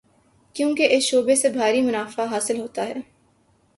کیونکہ اس شعبے سے بھاری منافع حاصل ہوتا ہے۔